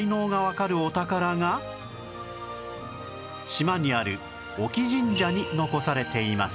島にある隠岐神社に残されています